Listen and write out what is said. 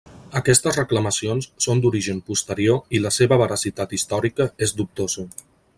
Aquestes reclamacions són d'origen posterior i la seva veracitat històrica és dubtosa.